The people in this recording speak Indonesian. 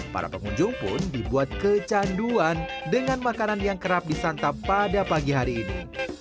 para pengunjung pun dibuat kecanduan dengan makanan yang kerap disantap pada pagi hari ini